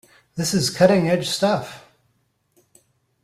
This is cutting edge stuff!.